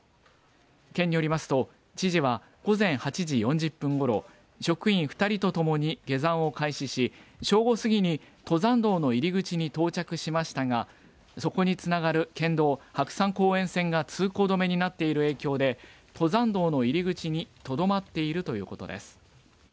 県によりますと、知事は午前８時４０分ごろ、職員２人と共に下山を開始し、正午過ぎに登山道の入り口に到着しましたが、そこにつながる県道、白山公園線が通行止めになっている影響で、登山道の入り口にとどまっているということです。